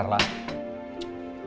mereka kayaknya gak ada problem